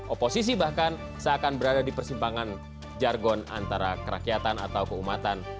oposisi bahkan seakan berada di persimpangan jargon antara kerakyatan atau keumatan